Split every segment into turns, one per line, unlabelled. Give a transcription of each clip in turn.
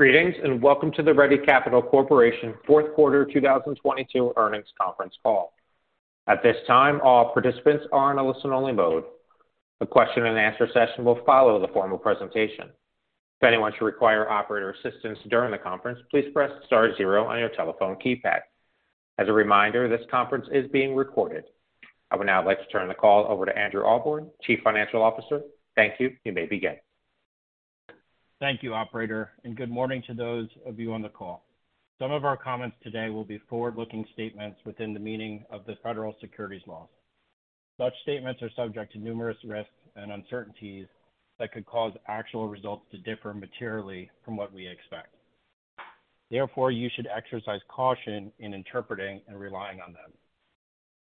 Greetings, and welcome to the Ready Capital Corporation fourth quarter 2022 earnings conference call. At this time, all participants are in a listen-only mode. The question and answer session will follow the formal presentation. If anyone should require operator assistance during the conference, please press star 0 on your telephone keypad. As a reminder, this conference is being recorded. I would now like to turn the call over to Andrew Ahlborn, Chief Financial Officer. Thank you. You may begin.
Thank you, Operator, and good morning to those of you on the call. Some of our comments today will be forward-looking statements within the meaning of the federal securities laws. Such statements are subject to numerous risks and uncertainties that could cause actual results to differ materially from what we expect. Therefore, you should exercise caution in interpreting and relying on them.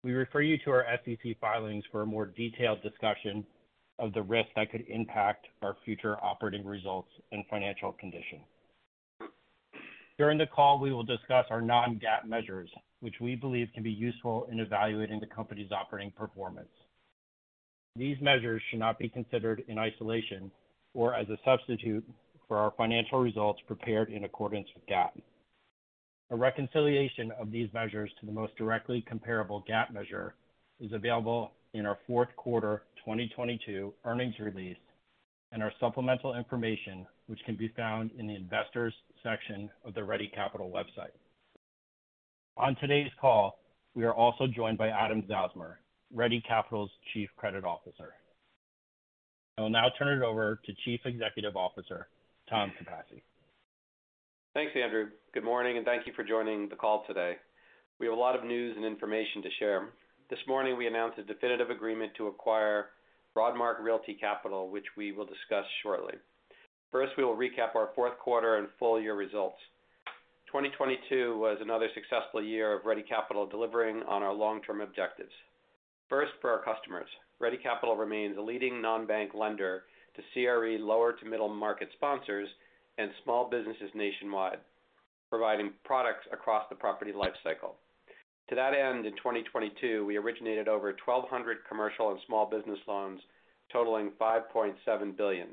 We refer you to our SEC filings for a more detailed discussion of the risks that could impact our future operating results and financial condition. During the call, we will discuss our non-GAAP measures, which we believe can be useful in evaluating the company's operating performance. These measures should not be considered in isolation or as a substitute for our financial results prepared in accordance with GAAP. A reconciliation of these measures to the most directly comparable GAAP measure is available in our fourth quarter 2022 earnings release and our supplemental information, which can be found in the investors section of the Ready Capital website. On today's call, we are also joined by Adam Zausmer, Ready Capital's Chief Credit Officer. I will now turn it over to Chief Executive Officer, Tom Compassi.
Thanks, Andrew. Good morning, and thank you for joining the call today. We have a lot of news and information to share. This morning, we announced a definitive agreement to acquire Broadmark Realty Capital, which we will discuss shortly. First, we will recap our fourth quarter and full year results. 2022 was another successful year of Ready Capital delivering on our long-term objectives. First, for our customers, Ready Capital remains a leading non-bank lender to CRE lower to middle market sponsors and small businesses nationwide, providing products across the property life cycle. To that end, in 2022, we originated over 1,200 commercial and small business loans totaling $5.7 billion,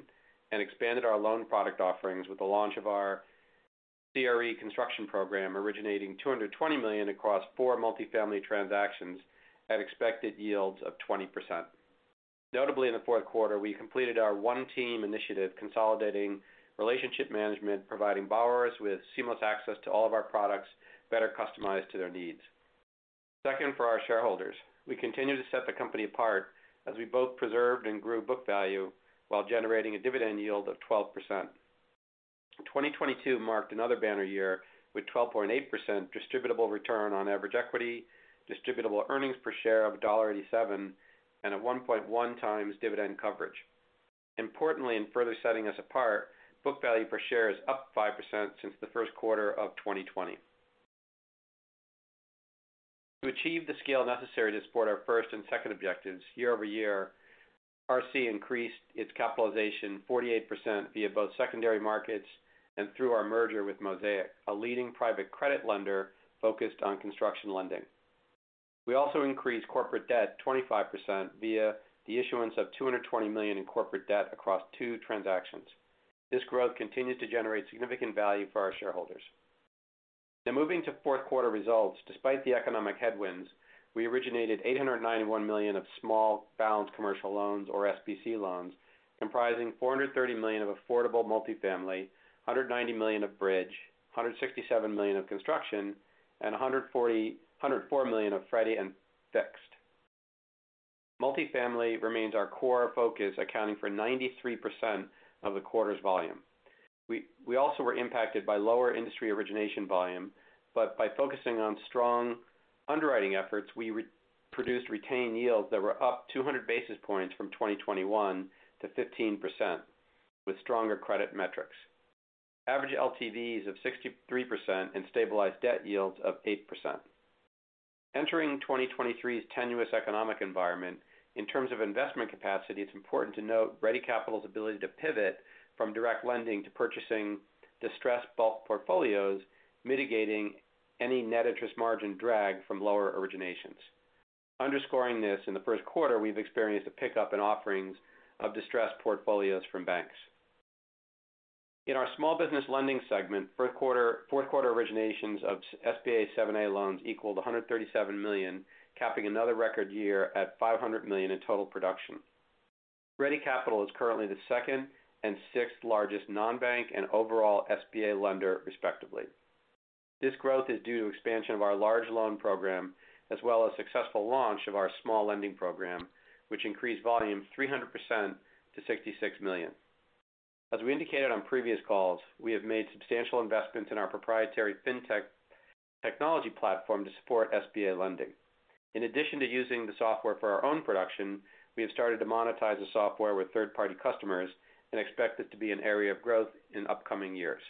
and expanded our loan product offerings with the launch of our CRE construction program, originating $220 million across four multifamily transactions at expected yields of 20%. Notably in the fourth quarter, we completed our One Team initiative, consolidating relationship management, providing borrowers with seamless access to all of our products better customized to their needs. Second, for our shareholders, we continue to set the company apart as we both preserved and grew book value while generating a dividend yield of 12%. 2022 marked another banner year with 12.8% distributable return on average equity, distributable earnings per share of $1.87, and a 1.1 times dividend coverage. Importantly, in further setting us apart, book value per share is up 5% since the first quarter of 2020. To achieve the scale necessary to support our first and second objectives year-over-year, RC increased its capitalization 48% via both secondary markets and through our merger with Mosaic, a leading private credit lender focused on construction lending. We also increased corporate debt 25% via the issuance of $220 million in corporate debt across two transactions. This growth continues to generate significant value for our shareholders. Moving to fourth quarter results. Despite the economic headwinds, we originated $891 million of small balance commercial loans, or SBC loans, comprising $430 million of affordable multifamily, $190 million of bridge, $167 million of construction, and $104 million of Freddie and fixed. Multifamily remains our core focus, accounting for 93% of the quarter's volume. We also were impacted by lower industry origination volume, by focusing on strong underwriting efforts, we produced retained yields that were up 200 basis points from 2021 to 15% with stronger credit metrics. Average LTVs of 63% and stabilized debt yields of 8%. Entering 2023's tenuous economic environment, in terms of investment capacity, it's important to note Ready Capital's ability to pivot from direct lending to purchasing distressed bulk portfolios, mitigating any net interest margin drag from lower originations. Underscoring this, in the first quarter, we've experienced a pickup in offerings of distressed portfolios from banks. In our small business lending segment, fourth quarter originations of SBA 7(a) loans equaled $137 million, capping another record year at $500 million in total production. Ready Capital is currently the second and sixth largest non-bank and overall SBA lender respectively. This growth is due to expansion of our large loan program as well as successful launch of our small lending program, which increased volume 300% to $66 million. As we indicated on previous calls, we have made substantial investments in our proprietary fintech technology platform to support SBA lending. In addition to using the software for our own production, we have started to monetize the software with third-party customers and expect this to be an area of growth in upcoming years.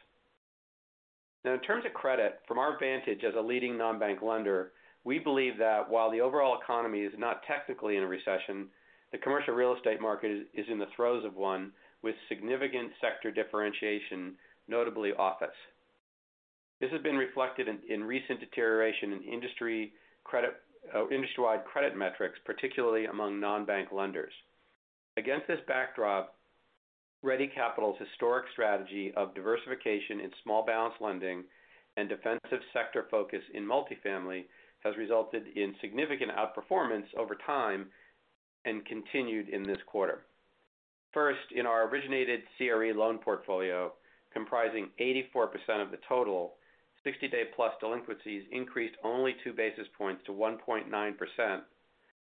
In terms of credit, from our vantage as a leading non-bank lender, we believe that while the overall economy is not technically in a recession, the commercial real estate market is in the throes of one with significant sector differentiation, notably office. This has been reflected in recent deterioration in industry credit, industry-wide credit metrics, particularly among non-bank lenders. Against this backdrop, Ready Capital's historic strategy of diversification in small balance lending and defensive sector focus in multifamily has resulted in significant outperformance over time and continued in this quarter. First, in our originated CRE loan portfolio comprising 84% of the total, 60-day-plus delinquencies increased only 2 basis points to 1.9%,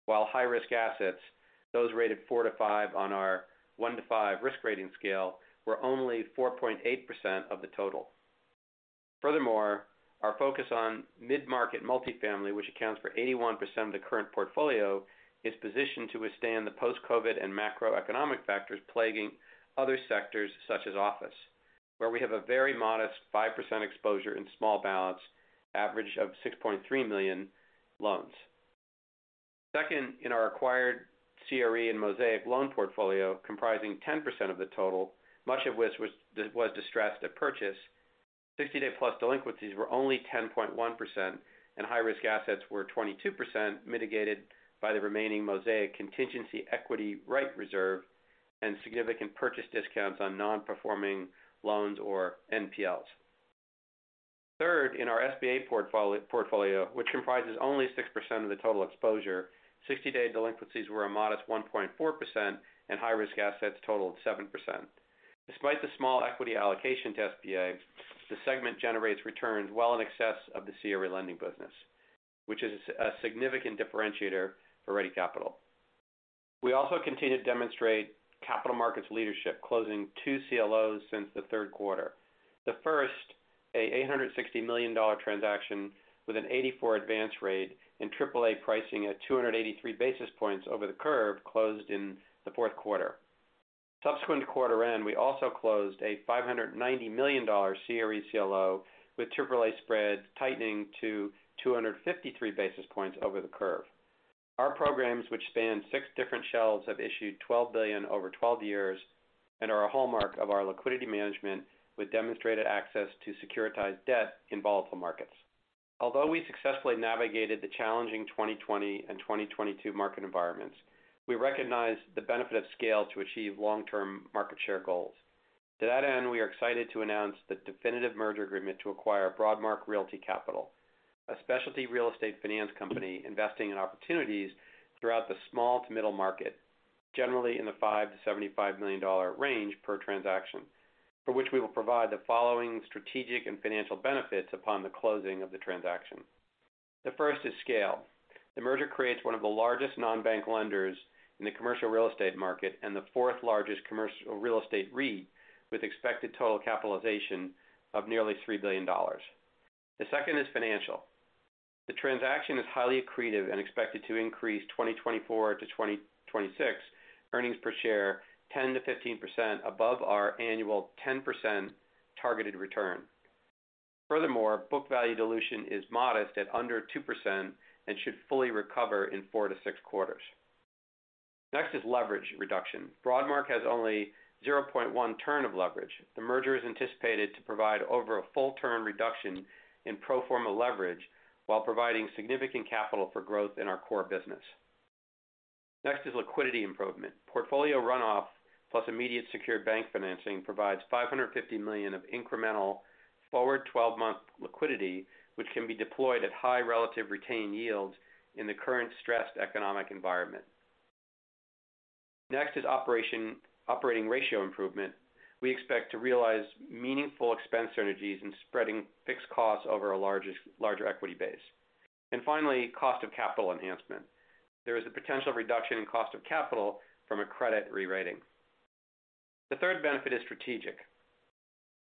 while high-risk assets, those rated 4-5 on our 1-5 risk rating scale, were only 4.8% of the total. Our focus on mid-market multifamily, which accounts for 81% of the current portfolio, is positioned to withstand the post-COVID and macroeconomic factors plaguing other sectors such as office, where we have a very modest 5% exposure in small balance, average of $6.3 million loans. Second, in our acquired CRE and Mosaic loan portfolio comprising 10% of the total, much of which was distressed at purchase, sixty-day plus delinquencies were only 10.1% and high-risk assets were 22% mitigated by the remaining Mosaic contingency equity right reserve and significant purchase discounts on non-performing loans, or NPLs. Third, in our SBA portfolio, which comprises only 6% of the total exposure, sixty-day delinquencies were a modest 1.4% and high-risk assets totaled 7%. Despite the small equity allocation to SBA, the segment generates returns well in excess of the CRE lending business, which is a significant differentiator for Ready Capital. We also continue to demonstrate capital markets leadership, closing two CLOs since the third quarter. The first, a $860 million transaction with an 84% advance rate and triple A pricing at 283 basis points over the curve, closed in the fourth quarter. Subsequent to quarter end, we also closed a $590 million CRE CLO with triple A spreads tightening to 253 basis points over the curve. Our programs, which span six different shelves, have issued $12 billion over 12 years and are a hallmark of our liquidity management with demonstrated access to securitized debt in volatile markets. Although we successfully navigated the challenging 2020 and 2022 market environments, we recognize the benefit of scale to achieve long-term market share goals. To that end, we are excited to announce the definitive merger agreement to acquire Broadmark Realty Capital, a specialty real estate finance company investing in opportunities throughout the small to middle market, generally in the $5 million-$75 million range per transaction, for which we will provide the following strategic and financial benefits upon the closing of the transaction. The first is scale. The merger creates one of the largest non-bank lenders in the commercial real estate market and the fourth largest commercial real estate REIT, with expected total capitalization of nearly $3 billion. The second is financial. The transaction is highly accretive and expected to increase 2024-2026 earnings per share 10%-15% above our annual 10% targeted return. Furthermore, book value dilution is modest at under 2% and should fully recover in 4-6 quarters. Next is leverage reduction. Broadmark has only 0.1 turn of leverage. The merger is anticipated to provide over a full term reduction in pro forma leverage while providing significant capital for growth in our core business. Next is liquidity improvement. Portfolio runoff plus immediate secured bank financing provides $550 million of incremental forward 12-month liquidity, which can be deployed at high relative retained yields in the current stressed economic environment. Next is operating ratio improvement. We expect to realize meaningful expense synergies in spreading fixed costs over a larger equity base. Finally, cost of capital enhancement. There is a potential reduction in cost of capital from a credit rewriting. The third benefit is strategic.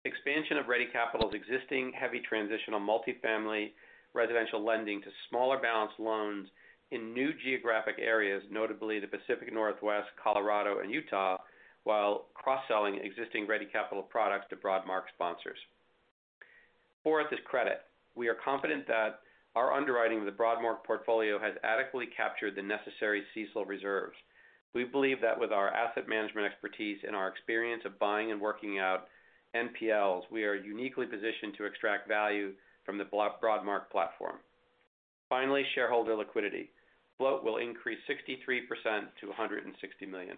Expansion of Ready Capital's existing heavy transitional multifamily residential lending to smaller balance loans in new geographic areas, notably the Pacific Northwest, Colorado, and Utah, while cross-selling existing Ready Capital products to Broadmark sponsors. Fourth is credit. We are confident that our underwriting of the Broadmark portfolio has adequately captured the necessary CECL reserves. We believe that with our asset management expertise and our experience of buying and working out NPLs, we are uniquely positioned to extract value from the Broadmark platform. Finally, shareholder liquidity. Float will increase 63% to $160 million.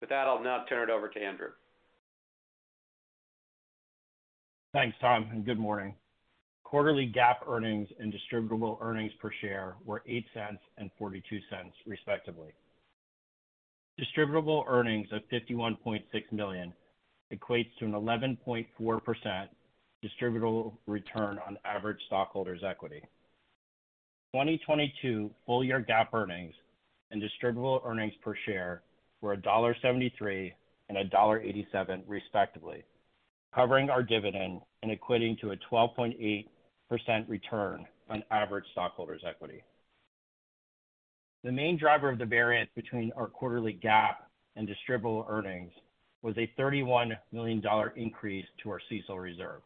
With that, I'll now turn it over to Andrew.
Thanks, Tom. Good morning. Quarterly GAAP earnings and distributable earnings per share were $0.08 and $0.42, respectively. Distributable earnings of $51.6 million equates to an 11.4% distributable return on average stockholders' equity. 2022 full year GAAP earnings and distributable earnings per share were $1.73 and $1.87, respectively, covering our dividend and equating to a 12.8% return on average stockholders' equity. The main driver of the variance between our quarterly GAAP and distributable earnings was a $31 million increase to our CECL reserve.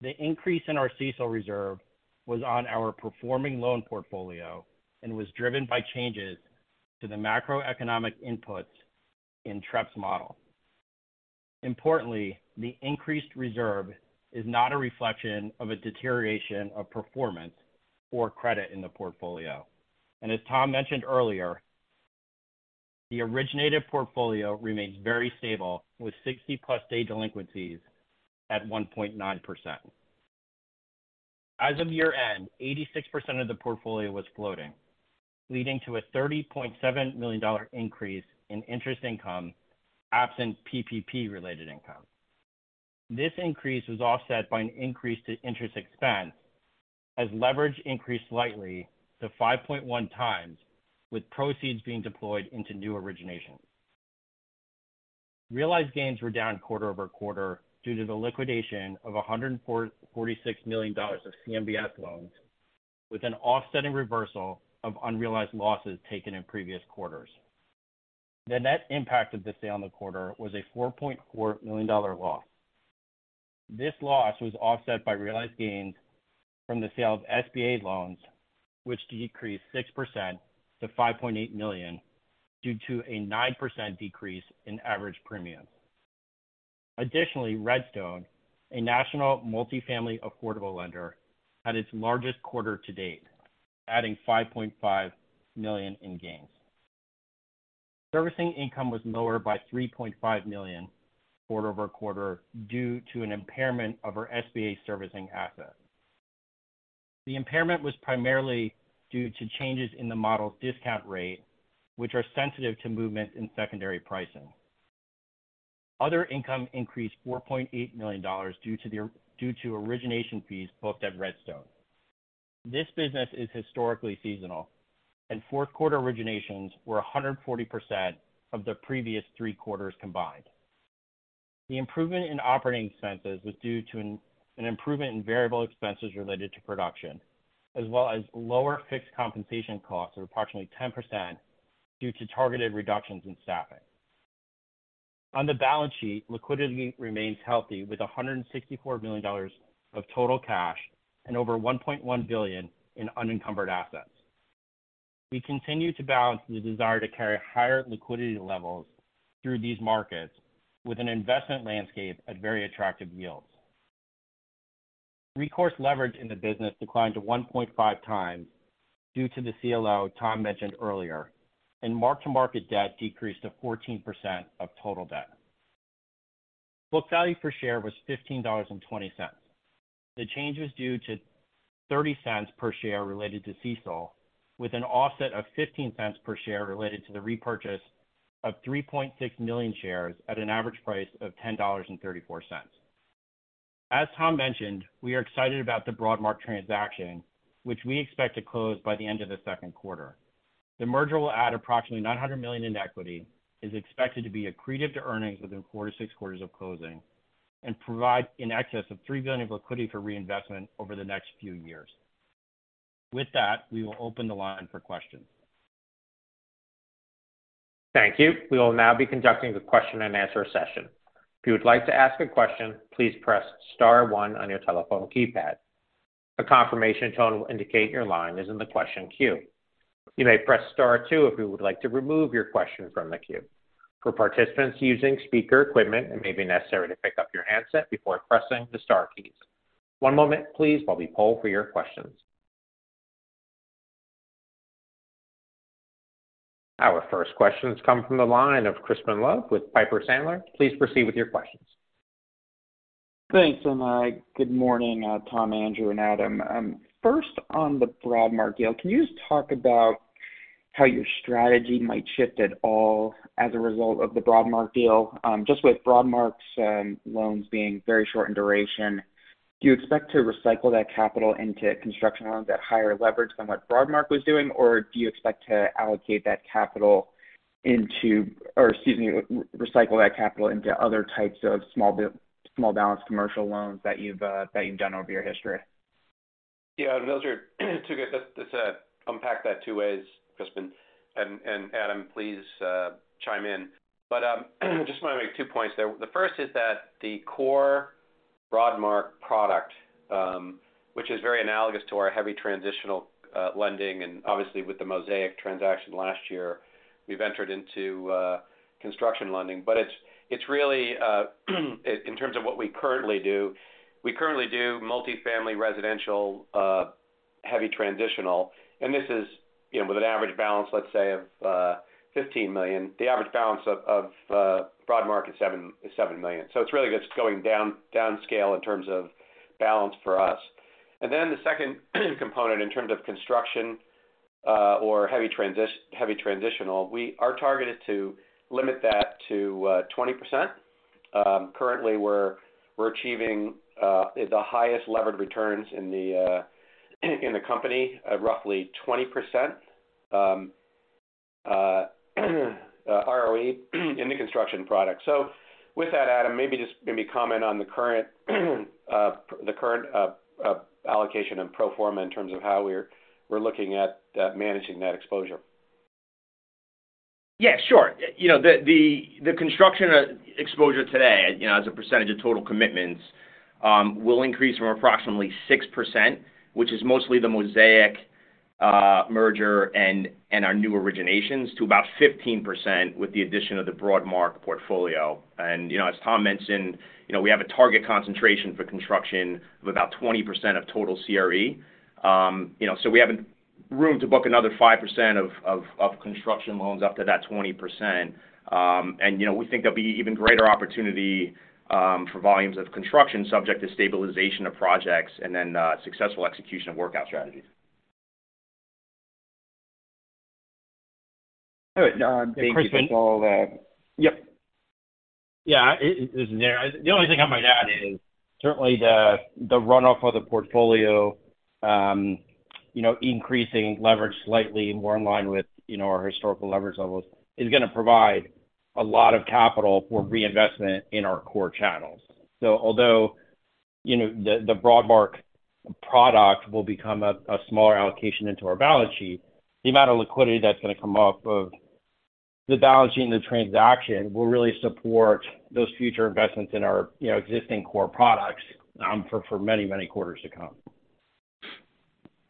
The increase in our CECL reserve was on our performing loan portfolio and was driven by changes to the macroeconomic inputs in Trepp's model. Importantly, the increased reserve is not a reflection of a deterioration of performance or credit in the portfolio. As Tom mentioned earlier, the originated portfolio remains very stable with 60-plus day delinquencies at 1.9%. As of year-end, 86% of the portfolio was floating, leading to a $30.7 million increase in interest income, absent PPP related income. This increase was offset by an increase to interest expense as leverage increased slightly to 5.1 times, with proceeds being deployed into new originations. Realized gains were down quarter-over-quarter due to the liquidation of $146 million of CMBS loans with an offsetting reversal of unrealized losses taken in previous quarters. The net impact of the sale on the quarter was a $4.4 million loss. This loss was offset by realized gains from the sale of SBA loans, which decreased 6% to $5.8 million due to a 9% decrease in average premiums. Additionally, RedStone, a national multifamily affordable lender, had its largest quarter to date, adding $5.5 million in gains. Servicing income was lower by $3.5 million quarter-over-quarter due to an impairment of our SBA servicing assets. The impairment was primarily due to changes in the model discount rate, which are sensitive to movement in secondary pricing. Other income increased $4.8 million due to origination fees booked at RedStone. This business is historically seasonal, and fourth quarter originations were 140% of the previous three quarters combined. The improvement in operating expenses was due to an improvement in variable expenses related to production, as well as lower fixed compensation costs of approximately 10% due to targeted reductions in staffing. On the balance sheet, liquidity remains healthy with $164 million of total cash and over $1.1 billion in unencumbered assets. We continue to balance the desire to carry higher liquidity levels through these markets with an investment landscape at very attractive yields. Recourse leverage in the business declined to 1.5x due to the CLO Tom mentioned earlier, and mark-to-market debt decreased to 14% of total debt. Book value per share was $15.20. The change was due to $0.30 per share related to CECL, with an offset of $0.15 per share related to the repurchase of 3.6 million shares at an average price of $10.34. As Tom mentioned, we are excited about the Broadmark transaction, which we expect to close by the end of the second quarter. The merger will add approximately $900 million in equity, is expected to be accretive to earnings within 4 to 6 quarters of closing, and provide in excess of $3 billion of liquidity for reinvestment over the next few years. With that, we will open the line for questions.
Thank you. We will now be conducting the question and answer session. If you would like to ask a question, please press star one on your telephone keypad. A confirmation tone will indicate your line is in the question queue. You may press Star two if you would like to remove your question from the queue. For participants using speaker equipment, it may be necessary to pick up your handset before pressing the star keys. One moment please, while we poll for your questions. Our first questions come from the line of Crispin Love with Piper Sandler. Please proceed with your questions.
Thanks. Good morning, Thomas Capasse, Andrew Ahlborn, and Adam Zausmer. First on the Broadmark deal, can you just talk about how your strategy might shift at all as a result of the Broadmark deal, just with Broadmark's loans being very short in duration. Do you expect to recycle that capital into construction loans at higher leverage than what Broadmark was doing? Do you expect to recycle that capital into other types of small balance commercial loans that you've done over your history?
Yeah, those are two good let's unpack that two ways, Crispin. Adam, please chime in. Just wanna make 2 points there. The first is that the core Broadmark product, which is very analogous to our heavy transitional lending, and obviously with the Mosaic transaction last year, we've entered into construction lending. It's really in terms of what we currently do, we currently do multifamily residential heavy transitional. This is, you know, with an average balance, let's say, of $15 million. The average balance of Broadmark is $7 million. It's really just going downscale in terms of balance for us. The second component in terms of construction, or heavy transitional, we are targeted to limit that to 20%. Currently, we're achieving the highest levered returns in the company at roughly 20% ROE in the construction product. With that, Adam, maybe just comment on the current allocation and pro forma in terms of how we're looking at managing that exposure.
Yeah, sure. You know, the construction exposure today, you know, as a percentage of total commitments, will increase from approximately 6%, which is mostly the Mosaic merger and our new originations to about 15% with the addition of the Broadmark portfolio. You know, as Tom mentioned, you know, we have a target concentration for construction of about 20% of total CRE. You know, we have room to book another 5% of construction loans up to that 20%. You know, we think there'll be even greater opportunity for volumes of construction subject to stabilization of projects and then successful execution of workout strategies.
All right. Thank you for all the...
Yep.
This is Neil. The only thing I might add is certainly the runoff of the portfolio, you know, increasing leverage slightly more in line with, you know, our historical leverage levels is gonna provide a lot of capital for reinvestment in our core channels. Although, you know, the Broadmark product will become a smaller allocation into our balance sheet, the amount of liquidity that's gonna come up of the balance sheet and the transaction will really support those future investments in our, you know, existing core products, for many, many quarters to come.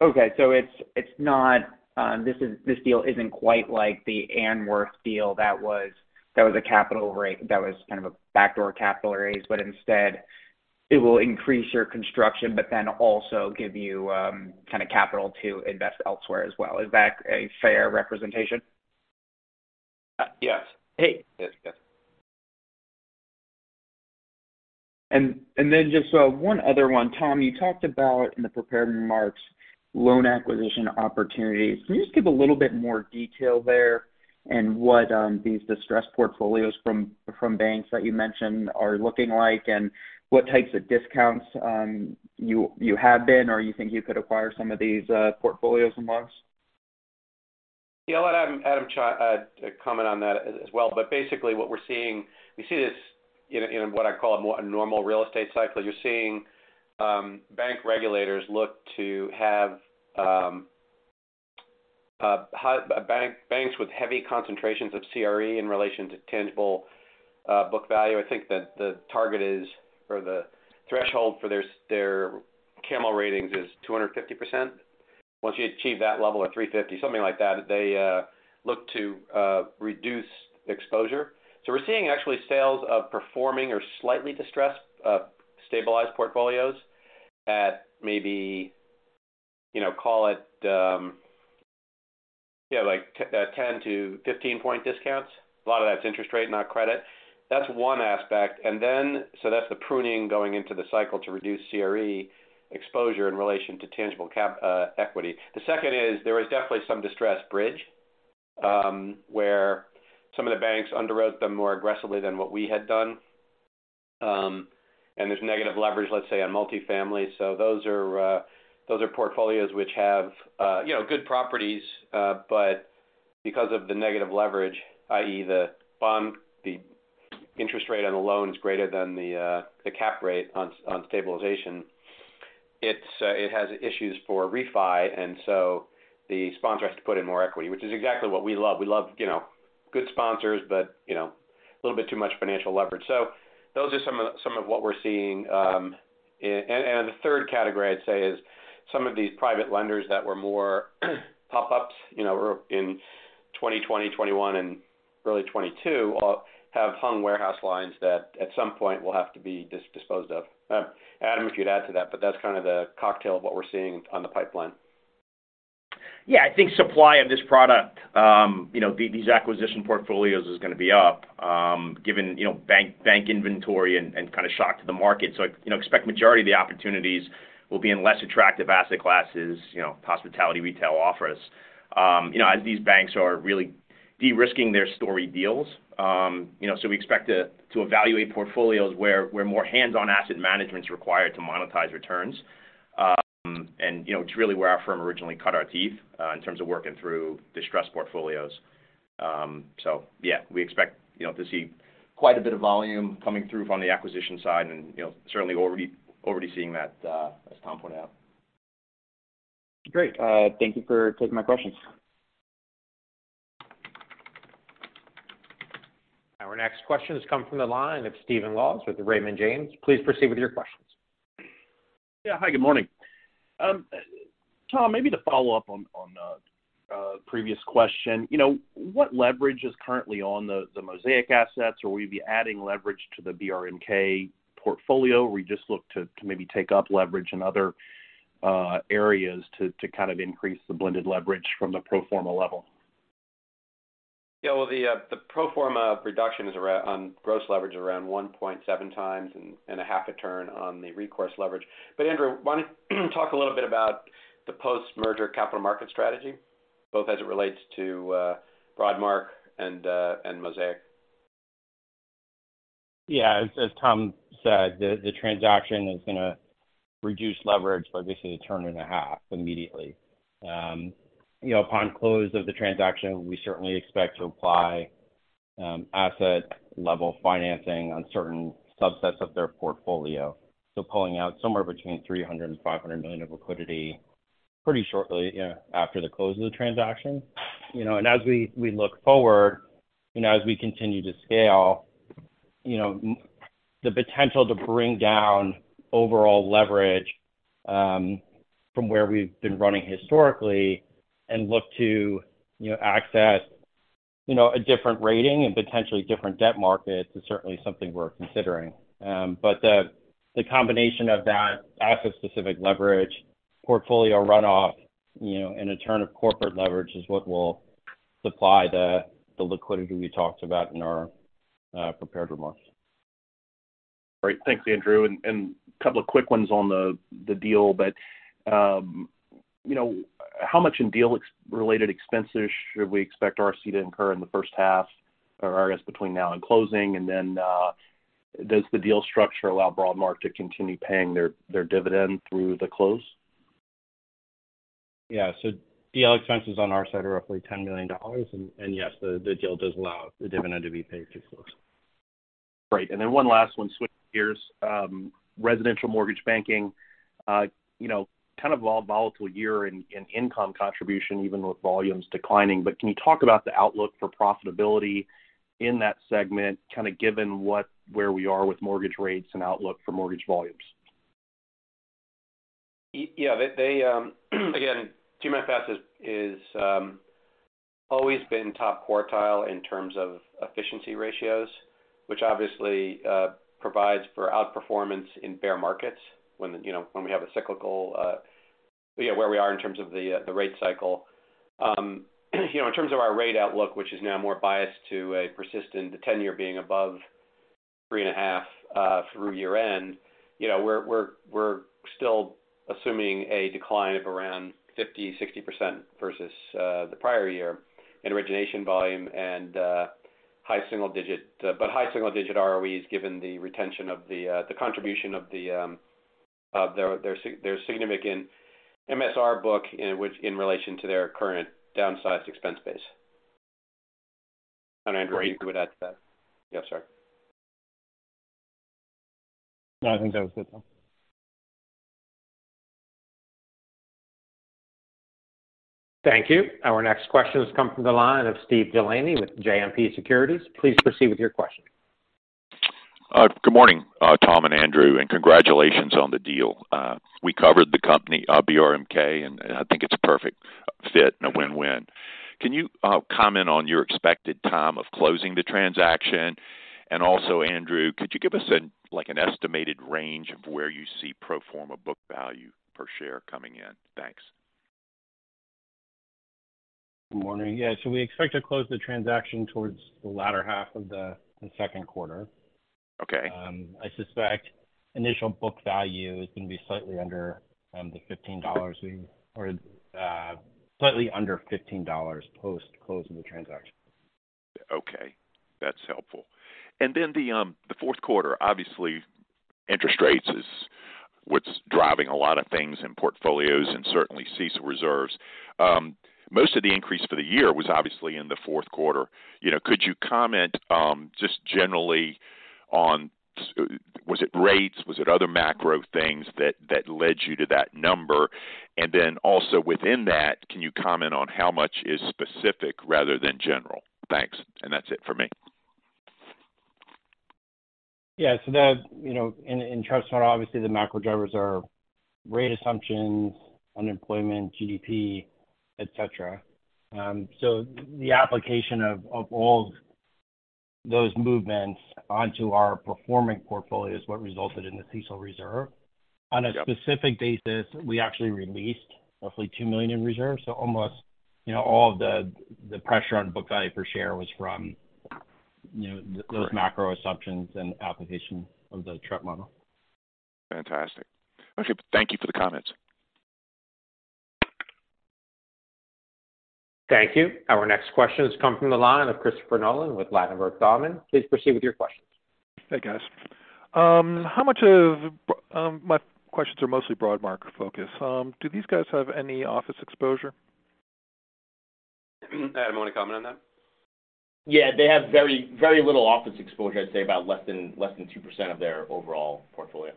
Okay. it's not, this deal isn't quite like the Anworth deal that was, that was kind of a backdoor capital raise, but instead it will increase your construction but then also give you, kind of capital to invest elsewhere as well. Is that a fair representation?
Yes.
Hey.
Yes. Yes.
Then just one other one. Tom, you talked about in the prepared remarks loan acquisition opportunities. Can you just give a little bit more detail there and what these distressed portfolios from banks that you mentioned are looking like and what types of discounts you have been or you think you could acquire some of these portfolios and loans?
Yeah. I'll let Adam comment on that as well. Basically what we're seeing, we see this in what I call a normal real estate cycle. You're seeing bank regulators look to have banks with heavy concentrations of CRE in relation to tangible book value. I think that the target is, or the threshold for their CAMEL ratings is 250%. Once you achieve that level of 350, something like that, they look to reduce exposure. We're seeing actually sales of performing or slightly distressed stabilized portfolios at maybe, you know, call it 10-15-point discounts. A lot of that's interest rate, not credit. That's one aspect. That's the pruning going into the cycle to reduce CRE exposure in relation to tangible equity. The second is there is definitely some distressed bridge, where some of the banks underwrote them more aggressively than what we had done. There's negative leverage, let's say, on multifamily. Those are portfolios which have, you know, good properties, but because of the negative leverage, i.e. the bond, the interest rate on the loan is greater than the cap rate on stabilization. It's, it has issues for refi, the sponsor has to put in more equity, which is exactly what we love. We love, you know, good sponsors, but, you know, a little bit too much financial leverage. Those are some of what we're seeing. The third category I'd say is some of these private lenders that were more pop-ups, you know, or in 2020, 2021, and early 2022 all have hung warehouse lines that at some point will have to be disposed of. Adam, if you'd add to that, but that's kind of the cocktail of what we're seeing on the pipeline. Yeah. I think supply of this product, you know, these acquisition portfolios is gonna be up, given, you know, bank inventory and kind of shock to the market. You know, expect majority of the opportunities will be in less attractive asset classes, you know, hospitality retail offers. You know, as these banks are really de-risking their story deals, you know, so we expect to evaluate portfolios where more hands-on asset management is required to monetize returns.
You know, it's really where our firm originally cut our teeth in terms of working through distressed portfolios. Yeah, we expect, you know, to see quite a bit of volume coming through from the acquisition side and, you know, certainly already seeing that as Tom pointed out.
Great. Thank you for taking my questions.
Our next question has come from the line of Stephen Laws with Raymond James. Please proceed with your questions.
Yeah. Hi, good morning. Tom, maybe to follow up on a previous question. You know, what leverage is currently on the Mosaic assets? Will you be adding leverage to the BRMK portfolio? Will you just look to maybe take up leverage in other areas to kind of increase the blended leverage from the pro forma level?
Yeah. Well, the pro forma reduction is on gross leverage around 1.7 times and a half a turn on the recourse leverage. Andrew, why don't you talk a little bit about the post-merger capital market strategy, both as it relates to Broadmark and Mosaic?
As Tom said, the transaction is gonna reduce leverage by at least a turn and a half immediately. You know, upon close of the transaction, we certainly expect to apply asset level financing on certain subsets of their portfolio. Pulling out somewhere between $300 million-$500 million of liquidity pretty shortly after the close of the transaction. You know, as we look forward and as we continue to scale. You know, the potential to bring down overall leverage from where we've been running historically and look to, you know, access, you know, a different rating and potentially different debt markets is certainly something we're considering. The combination of that asset-specific leverage portfolio runoff, you know, and a turn of corporate leverage is what will supply the liquidity we talked about in our prepared remarks.
Great. Thanks, Andrew. A couple of quick ones on the deal. You know, how much in deal related expenses should we expect RC to incur in the first half or I guess between now and closing? Then, does the deal structure allow Broadmark to continue paying their dividend through the close?
Yeah. Deal expenses on our side are roughly $10 million. Yes, the deal does allow the dividend to be paid through close.
Great. One last one. Switching gears. Residential mortgage banking, you know, kind of a volatile year in income contribution even with volumes declining. Can you talk about the outlook for profitability in that segment, kind of given where we are with mortgage rates and outlook for mortgage volumes?
Yeah. They, again, TMFAS has, is always been top quartile in terms of efficiency ratios, which obviously provides for outperformance in bear markets when, you know, when we have a cyclical, you know, where we are in terms of the rate cycle. You know, in terms of our rate outlook, which is now more biased to a persistent 10-year being above 3.5 through year-end. You know, we're still assuming a decline of around 50%-60% versus the prior year in origination volume and high single-digit. High single-digit ROEs, given the retention of the contribution of their significant MSR book in which in relation to their current downsized expense base. I don't know, Andrew, if you would add to that. Yeah, sorry. No, I think that was good, Tom.
Thank you. Our next question has come from the line of Steve Delaney with JMP Securities. Please proceed with your question.
Good morning, Tom and Andrew, and congratulations on the deal. We covered the company, BRMK, and I think it's a perfect fit and a win-win. Can you comment on your expected time of closing the transaction? Also, Andrew, could you give us like an estimated range of where you see pro forma book value per share coming in? Thanks.
Good morning. Yeah, we expect to close the transaction towards the latter half of the second quarter.
Okay.
I suspect initial book value is going to be slightly under $15 post-closing the transaction.
Okay. That's helpful. The, the fourth quarter, obviously interest rates is what's driving a lot of things in portfolios and certainly CECL reserves. Most of the increase for the year was obviously in the fourth quarter. You know, could you comment, just generally on was it rates? Was it other macro things that led you to that number? Also within that, can you comment on how much is specific rather than general? Thanks. That's it for me.
Yeah. The, you know, in trust note obviously the macro drivers are rate assumptions, unemployment, GDP, et cetera. The application of all those movements onto our performing portfolio is what resulted in the CECL reserve.
Yeah.
On a specific basis, we actually released roughly $2 million in reserves. Almost, you know, all of the pressure on book value per share was from, you know.
Correct.
those macro assumptions and application of the Trepp model.
Fantastic. Okay. Thank you for the comments.
Thank you. Our next question has come from the line of Christopher Nolan with Ladenburg Thalmann. Please proceed with your questions.
Hey, guys. How much of my questions are mostly Broadmark focus. Do these guys have any office exposure?
Adam, you want to comment on that?
Yeah. They have very, very little office exposure. I'd say about less than 2% of their overall portfolio.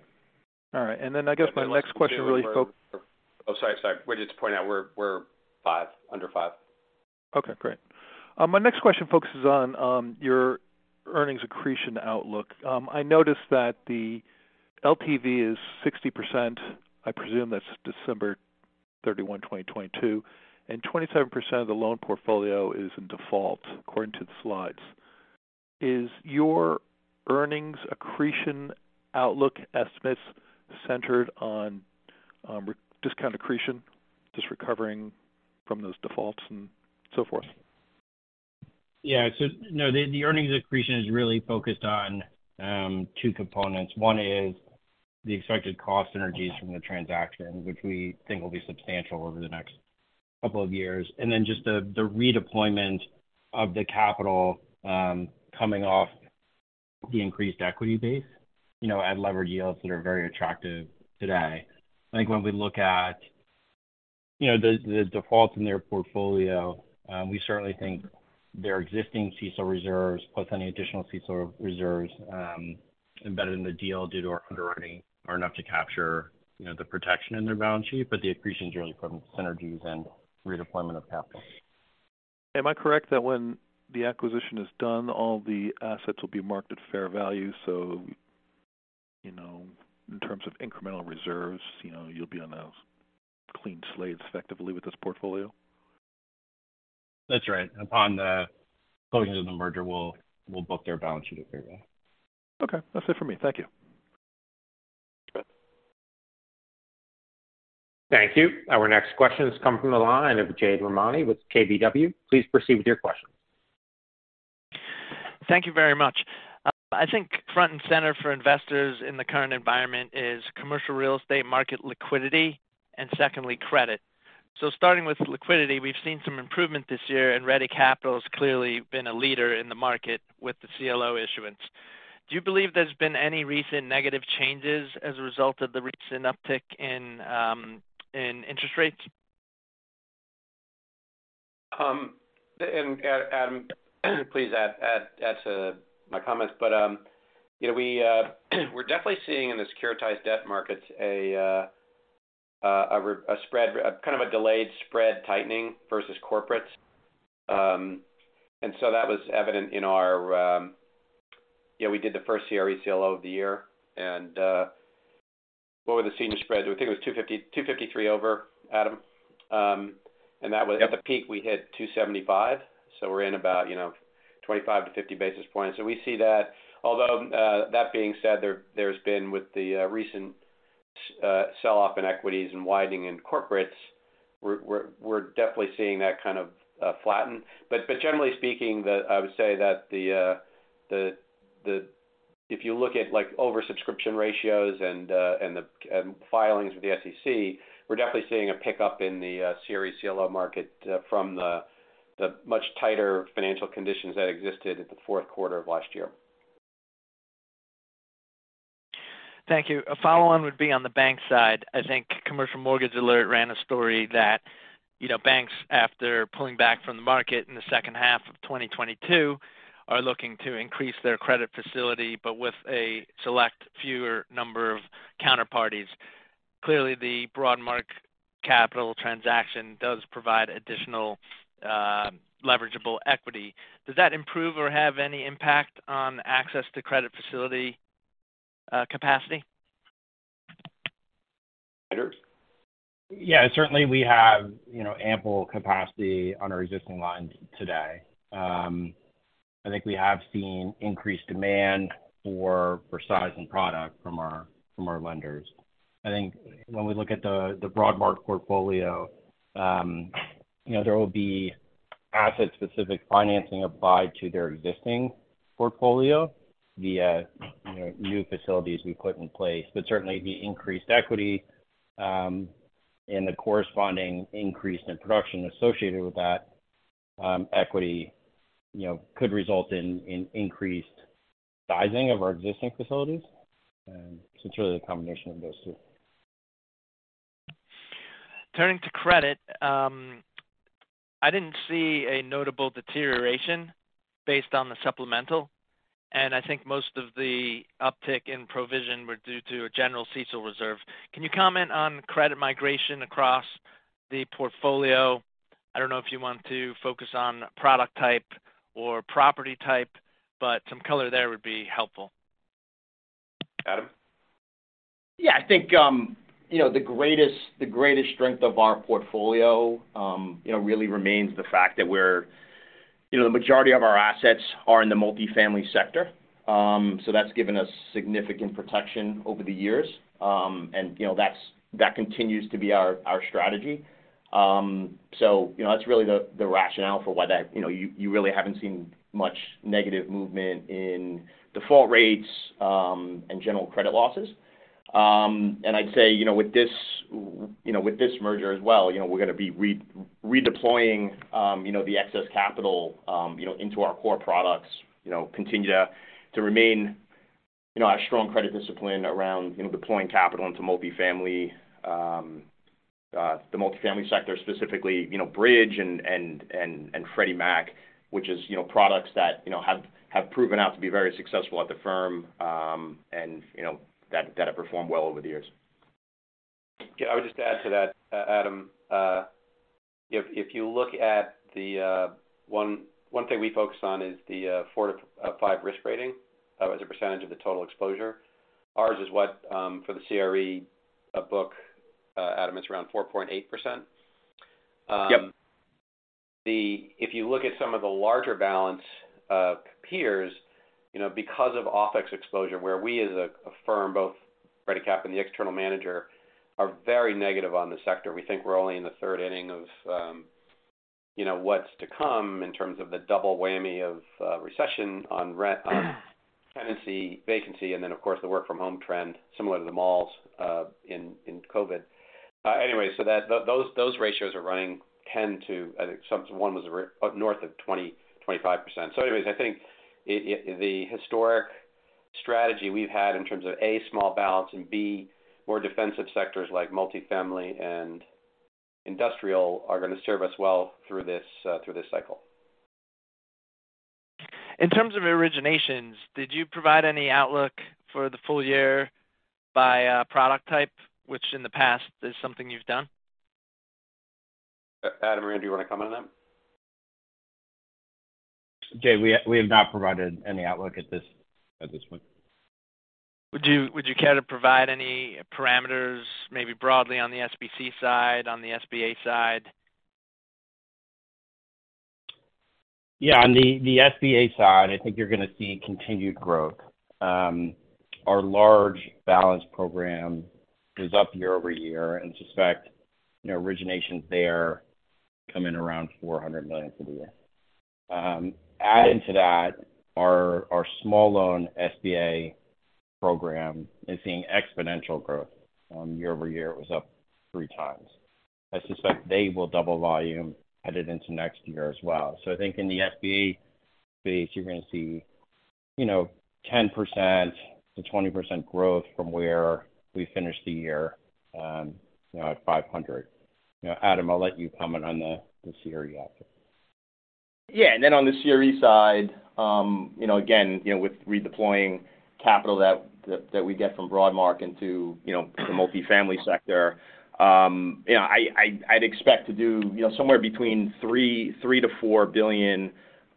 All right. I guess my next question really.
Oh, sorry. We just point out we're five, under five.
Okay, great. My next question focuses on your earnings accretion outlook. I noticed that the LTV is 60%. I presume that's December 31, 2022, 27% of the loan portfolio is in default according to the slides. Is your earnings accretion outlook estimates centered on re- discount accretion, just recovering from those defaults and so forth?
No, the earnings accretion is really focused on two components. One is the expected cost synergies from the transaction, which we think will be substantial over the next couple of years. The redeployment of the capital, coming off the increased equity base, you know, at levered yields that are very attractive today. I think when we look at, you know, the defaults in their portfolio, we certainly think their existing CECL reserves plus any additional CECL reserves, embedded in the deal due to our underwriting are enough to capture, you know, the protection in their balance sheet. The accretion really comes from synergies and redeployment of capital.
Am I correct that when the acquisition is done, all the assets will be marked at fair value? You know, in terms of incremental reserves, you know, you'll be on a clean slate effectively with this portfolio.
That's right. Upon the closing of the merger, we'll book their balance sheet at fair value.
Okay. That's it for me. Thank you.
Okay.
Thank you. Our next question comes from the line of Jade Rahmani with KBW. Please proceed with your question.
Thank you very much. I think front and center for investors in the current environment is commercial real estate market liquidity and secondly, credit. Starting with liquidity, we've seen some improvement this year, and Ready Capital has clearly been a leader in the market with the CLO issuance. Do you believe there's been any recent negative changes as a result of the recent uptick in interest rates?
Please add to my comments. You know, we're definitely seeing in the securitized debt markets a kind of a delayed spread tightening versus corporates. That was evident in our. You know, we did the first CRE CLO of the year. What were the senior spreads? I think it was 253 over, Adam. That was.
Yeah. At the peak, we hit 275, we're in about, you know, 25-50 basis points. We see that. That being said, there's been with the recent sell-off in equities and widening in corporates, we're definitely seeing that kind of flatten. Generally speaking, I would say that If you look at like oversubscription ratios and the filings with the SEC, we're definitely seeing a pickup in the CRE CLO market, from the much tighter financial conditions that existed at the fourth quarter of last year.
Thank you. A follow-on would be on the bank side. I think Commercial Mortgage Alert ran a story that, you know, banks, after pulling back from the market in the second half of 2022, are looking to increase their credit facility, but with a select fewer number of counterparties. Clearly, the Broadmark Capital transaction does provide additional, leveragable equity. Does that improve or have any impact on access to credit facility capacity?
Lenders?
Yeah. Certainly, we have, you know, ample capacity on our existing lines today. I think we have seen increased demand for size and product from our lenders. I think when we look at the Broadmark portfolio, you know, there will be asset-specific financing applied to their existing portfolio via, you know, new facilities we put in place. Certainly, the increased equity, and the corresponding increase in production associated with that, equity, you know, could result in increased sizing of our existing facilities. It's really the combination of those two.
Turning to credit, I didn't see a notable deterioration based on the supplemental, and I think most of the uptick in provision were due to a general CECL reserve. Can you comment on credit migration across the portfolio? I don't know if you want to focus on product type or property type, but some color there would be helpful.
Adam?
I think, you know, the greatest strength of our portfolio, you know, really remains the fact that we're. You know, the majority of our assets are in the multifamily sector. So that's given us significant protection over the years. And, you know, that continues to be our strategy. So, you know, that's really the rationale for why that, you know, you really haven't seen much negative movement in default rates, and general credit losses. And I'd say, you know, with this merger as well, you know, we're gonna be redeploying, you know, the excess capital, you know, into our core products. You know, continue to remain, you know, our strong credit discipline around, you know, deploying capital into multifamily. The multifamily sector specifically, you know, Bridge and Freddie Mac, which is, you know, products that, you know, have proven out to be very successful at the firm, and you know, that have performed well over the years.
Yeah. I would just add to that, Adam. If you look at the One thing we focus on is the 4-5 risk rating as a percentage of the total exposure. Ours is what, for the CRE book, Adam, it's around 4.8%.
Yep.
If you look at some of the larger balance, peers, you know, because of OpEx exposure, where we as a firm, both Ready Capital and the external manager, are very negative on the sector. We think we're only in the third inning of, you know, what's to come in terms of the double whammy of recession on tenancy, vacancy, and then, of course, the work from home trend, similar to the malls in COVID. Anyway, those ratios are running 10 to, I think one was north of 20, 25%. Anyways, I think the historic strategy we've had in terms of, A, small balance, and B, more defensive sectors like multifamily and industrial are gonna serve us well through this cycle.
In terms of originations, did you provide any outlook for the full year by product type, which in the past is something you've done?
Adam or Andrew, do you wanna comment on that?
Jade, we have not provided any outlook at this point.
Would you care to provide any parameters maybe broadly on the SBC side, on the SBA side?
On the SBA side, I think you're gonna see continued growth. Our large balance program is up year-over-year, and suspect, you know, originations there come in around $400 million for the year. Adding to that, our small loan SBA program is seeing exponential growth on year-over-year. It was up 3 times. I suspect they will double volume headed into next year as well. I think in the SBA space, you're gonna see, you know, 10%-20% growth from where we finished the year, you know, at $500 million. You know, Adam, I'll let you comment on the CRE outfit.
Yeah. On the CRE side, you know, again, you know, with redeploying capital that we get from Broadmark into, you know, the multifamily sector, you know, I'd, I'd expect to do, you know, somewhere between $3 billion-$4 billion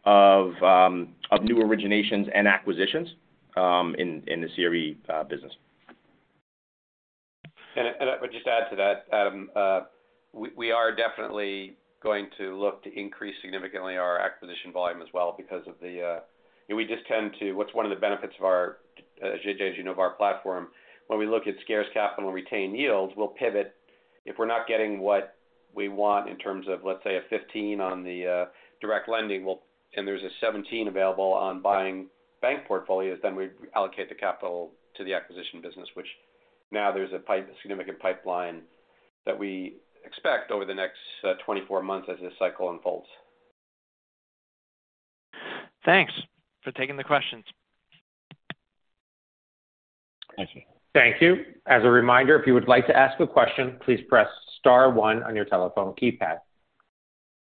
of new originations and acquisitions in the CRE business.
I would just add to that, we are definitely going to look to increase significantly our acquisition volume as well because of the. We just tend to. What's one of the benefits of our, JJ, as you know, of our platform, when we look at scarce capital and retain yields, we'll pivot. If we're not getting what we want in terms of, let's say, a 15 on the direct lending, and there's a 17 available on buying bank portfolios, then we allocate the capital to the acquisition business, which now there's a significant pipeline that we expect over the next 24 months as this cycle unfolds.
Thanks for taking the questions.
Thank you.
Thank you. As a reminder, if you would like to ask a question, please press star one on your telephone keypad.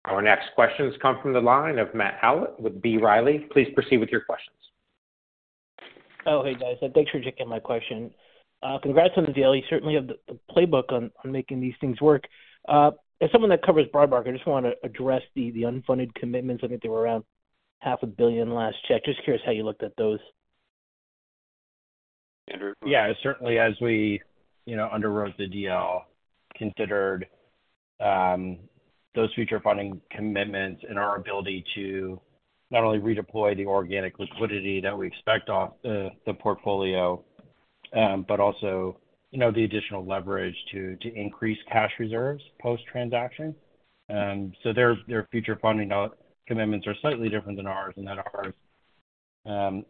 Our next questions come from the line of Matthew Howlett with B. Riley. Please proceed with your questions.
Hey, guys. Thanks for taking my question. Congrats on the deal. You certainly have the playbook on making these things work. As someone that covers Broadmark, I just wanna address the unfunded commitments. I think they were around half a billion last check. Just curious how you looked at those.
Andrew?
Yeah. Certainly, as we, you know, underwrote the deal, considered, those future funding commitments and our ability to not only redeploy the organic liquidity that we expect off the portfolio, but also, you know, the additional leverage to increase cash reserves post-transaction. Their, their future funding commitments are slightly different than ours, and that ours,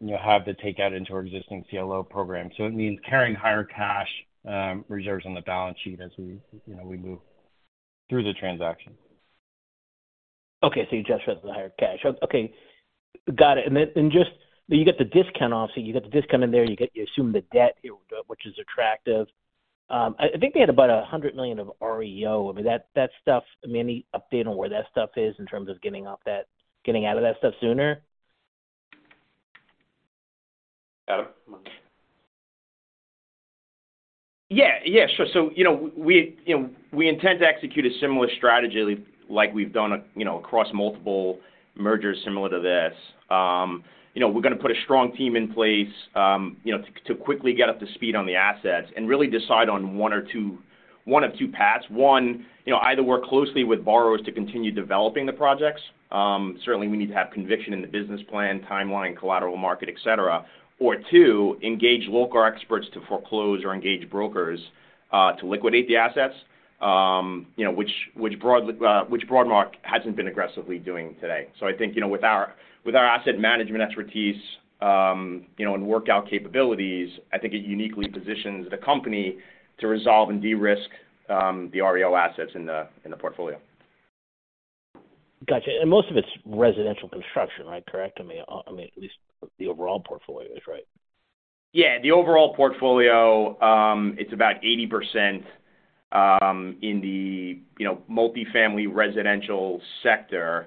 you know, have to take that into our existing CLO program. It means carrying higher cash, reserves on the balance sheet as we, you know, we move through the transaction.
Okay. You just read the higher cash. Okay. Got it. Just, do you get the discount off? You get the discount in there, you assume the debt here, which is attractive. I think they had about $100 million of REO. I mean, that stuff, I mean, any update on where that stuff is in terms of getting out of that stuff sooner?
Adam?
Yeah. Yeah. Sure. You know, we, you know, we intend to execute a similar strategy like we've done, you know, across multiple mergers similar to this. You know, we're gonna put a strong team in place, you know, to quickly get up to speed on the assets and really decide on one of two paths. One, you know, either work closely with borrowers to continue developing the projects. Certainly, we need to have conviction in the business plan, timeline, collateral market, et cetera. Two, engage local experts to foreclose or engage brokers to liquidate the assets, you know, which Broadmark hasn't been aggressively doing today. I think, you know, with our asset management expertise, you know, and workout capabilities, I think it uniquely positions the company to resolve and de-risk, the REO assets in the portfolio.
Gotcha. Most of it's residential construction, right? Correct? I mean, I mean, at least the overall portfolio is, right?
Yeah. The overall portfolio, it's about 80%, in the, you know, multifamily residential sector.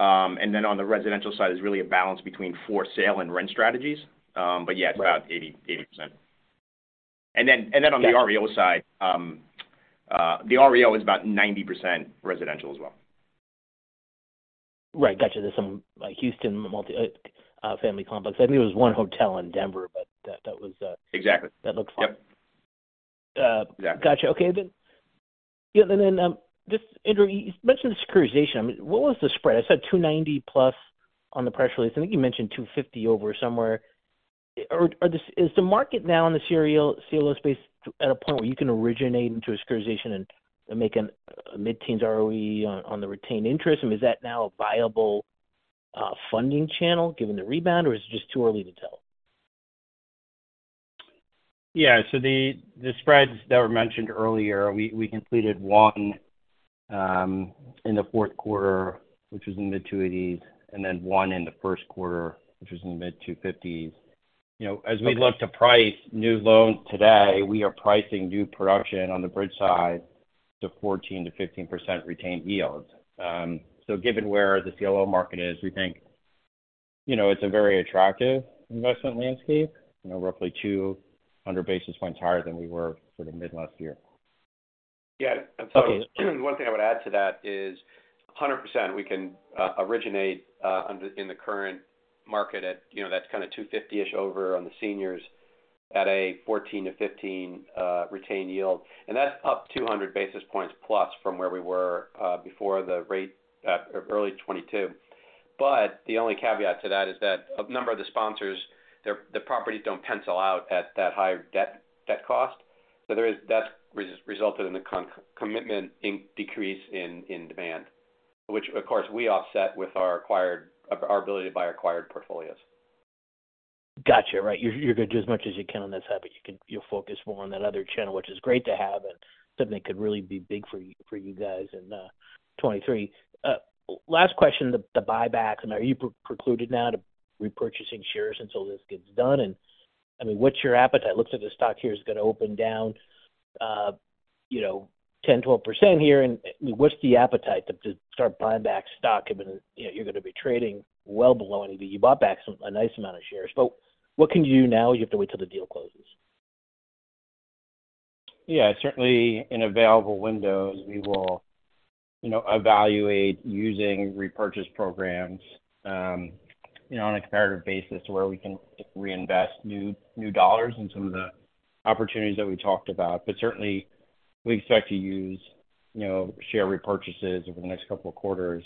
On the residential side is really a balance between for-sale and rent strategies. Yeah.
Right.
It's about 80%. Then on the REO side, the REO is about 90% residential as well.
Right. Gotcha. There's some, like, Houston multi, family complex. I think it was one hotel in Denver, but that was.
Exactly.
That looks like-
Yep.
Uh-
Yeah.
Gotcha. Okay. Yeah, just Andrew, you mentioned securitization. I mean, what was the spread? I saw 290 plus on the press release. I think you mentioned 250 over somewhere. Is the market now in the serial CLO space at a point where you can originate into a securitization and make a mid-teens ROE on the retained interest? I mean, is that now a viable funding channel given the rebound, or is it just too early to tell?
The spreads that were mentioned earlier, we completed one in the fourth quarter, which was in mid 280s, and then one in the first quarter, which was in mid 250s. You know, as we look to price new loans today, we are pricing new production on the bridge side. To 14%-15% retained yield. Given where the CLO market is, we think, you know, it's a very attractive investment landscape, you know, roughly 200 basis points higher than we were sort of mid last year.
Yeah. One thing I would add to that is 100% we can originate in the current market at, you know, that's kinda 250-ish over on the seniors at a 14-15 retained yield. That's up 200 basis points plus from where we were before the rate early 2022. The only caveat to that is that a number of the sponsors, the properties don't pencil out at that higher debt cost. That's resulted in a concomitant decrease in demand, which of course, we offset with our ability to buy acquired portfolios.
Got you. Right. You're gonna do as much as you can on that side, but you'll focus more on that other channel, which is great to have and something that could really be big for you guys in 2023. Last question, the buybacks, are you precluded now to repurchasing shares until this gets done? I mean, what's your appetite? Looks like the stock here is gonna open down, you know, 10, 12% here. What's the appetite to start buying back stock? I mean, you know, you're gonna be trading well below any... You bought back a nice amount of shares. What can you do now you have to wait till the deal closes?
Yeah. Certainly in available windows, we will, you know, evaluate using repurchase programs, you know, on a comparative basis where we can reinvest new dollars in some of the opportunities that we talked about. Certainly we expect to use, you know, share repurchases over the next couple of quarters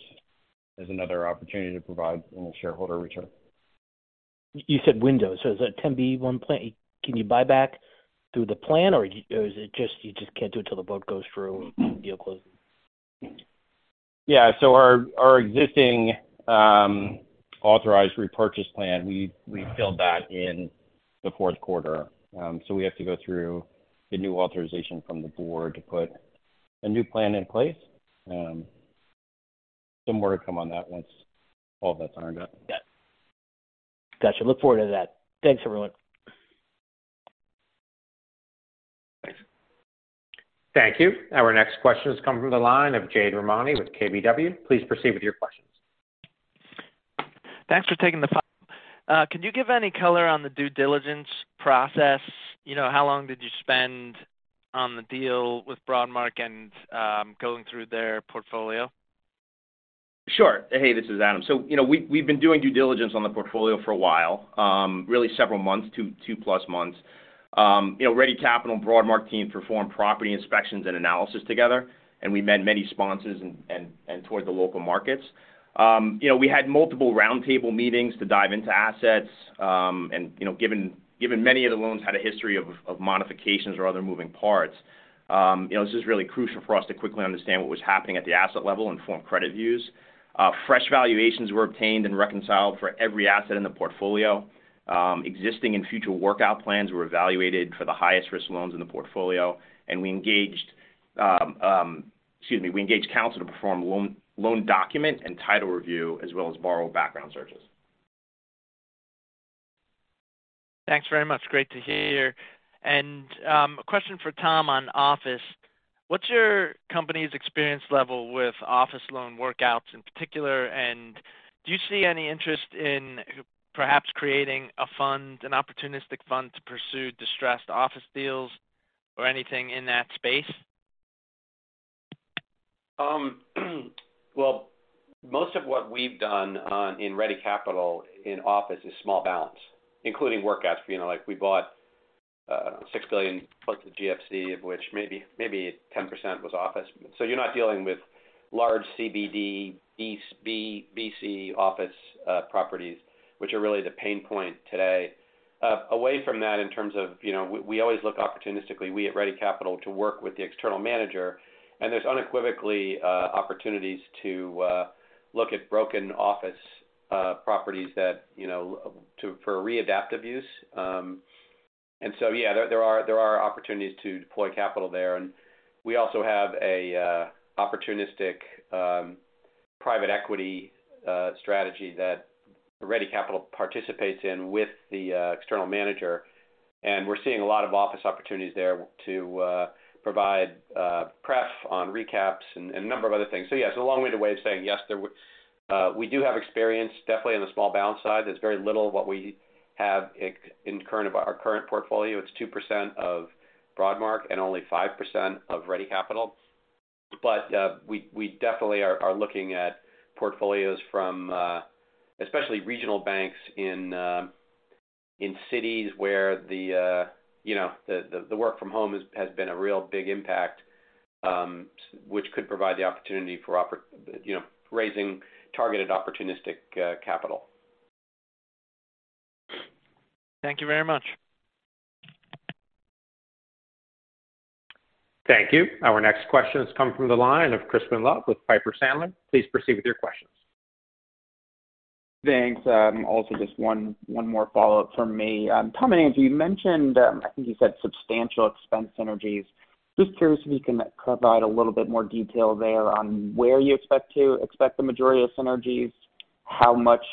as another opportunity to provide in shareholder return.
You said windows. Is that Rule 10b5-1 plan? Can you buy back through the plan or is it just you can't do it till the boat goes through deal closing?
Yeah. Our existing, authorized repurchase plan, we filled that in the fourth quarter. We have to go through the new authorization from the board to put a new plan in place. Some more to come on that once all that's ironed out.
Gotcha. Look forward to that. Thanks, everyone.
Thanks.
Thank you. Our next question is coming from the line of Jade Rahmani with KBW. Please proceed with your questions.
Thanks for taking the call. Can you give any color on the due diligence process? You know, how long did you spend on the deal with Broadmark and going through their portfolio?
Sure. Hey, this is Adam. You know, we've been doing due diligence on the portfolio for a while, really several months, two-plus months. You know, Ready Capital and Broadmark teams performed property inspections and analysis together, and we met many sponsors and toured the local markets. You know, we had multiple roundtable meetings to dive into assets, and, you know, given many of the loans had a history of modifications or other moving parts, you know, this is really crucial for us to quickly understand what was happening at the asset level and form credit views. Fresh valuations were obtained and reconciled for every asset in the portfolio.
Existing and future workout plans were evaluated for the highest-risk loans in the portfolio, and we engaged counsel to perform loan document and title review, as well as borrow background searches.
Thanks very much. Great to hear. A question for Tom on office. What's your company's experience level with office loan workouts in particular, and do you see any interest in perhaps creating a fund, an opportunistic fund to pursue distressed office deals or anything in that space?
Well, most of what we've done on in Ready Capital in office is small balance, including workouts. You know, like we bought $6 billion plus the GFC, of which maybe 10% was office. You're not dealing with large CBD, BC office properties, which are really the pain point today. Away from that in terms of, you know, we always look opportunistically, we at Ready Capital to work with the external manager, and there's unequivocally opportunities to look at broken office properties that, you know, for readaptive use. Yeah, there are opportunities to deploy capital there. We also have a opportunistic private equity strategy that Ready Capital participates in with the external manager, and we're seeing a lot of office opportunities there to provide pref on recaps and a number of other things. Yes, a long-winded way of saying yes, we do have experience definitely on the small balance side. There's very little of what we have our current portfolio. It's 2% of Broadmark and only 5% of Ready Capital. We definitely are looking at portfolios from especially regional banks in cities where the, you know, the work from home has been a real big impact, which could provide the opportunity for you know, raising targeted opportunistic capital.
Thank you very much.
Thank you. Our next question has come from the line of Crispin Love with Piper Sandler. Please proceed with your questions.
Thanks. Also just one more follow-up from me. Tom and Andrew, you mentioned, I think you said substantial expense synergies. Just curious if you can provide a little bit more detail there on where you expect the majority of synergies, how much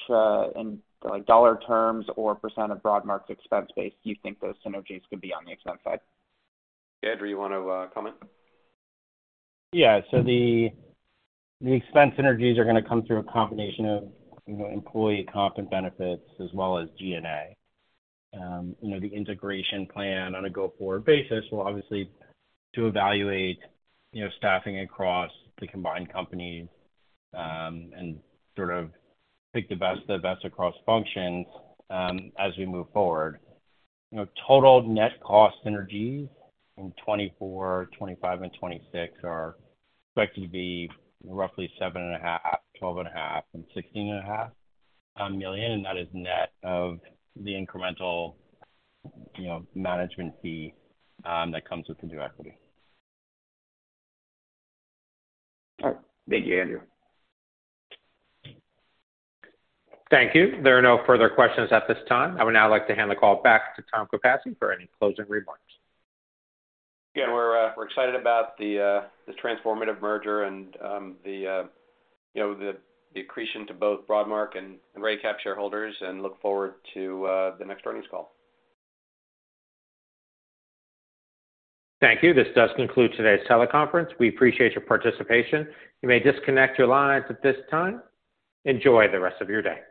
in like dollar terms or percentage of Broadmark's expense base do you think those synergies could be on the expense side?
Andrew, you wanna comment?
Yeah. The, the expense synergies are gonna come through a combination of, you know, employee comp and benefits as well as G&A. you know, the integration plan on a go-forward basis will obviously to evaluate, you know, staffing across the combined company, and sort of pick the best across functions, as we move forward. You know, total net cost synergies in 2024, 2025 and 2026 are expected to be roughly seven and a half, twelve and a half, and sixteen and a half million, and that is net of the incremental, you know, management fee, that comes with the new equity.
All right. Thank you, Andrew.
Thank you. There are no further questions at this time. I would now like to hand the call back to Tom Capasse for any closing remarks.
Yeah, we're excited about the transformative merger and, you know, the accretion to both Broadmark and ReadyCap shareholders and look forward to, the next earnings call.
Thank you. This does conclude today's teleconference. We appreciate your participation. You may disconnect your lines at this time. Enjoy the rest of your day.